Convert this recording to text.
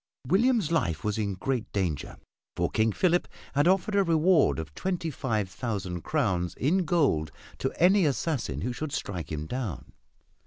William's life was in great danger, for King Philip had offered a reward of twenty five thousand crowns in gold to any assassin who should strike him down.